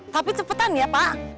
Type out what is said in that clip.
tapi cepetan ya pak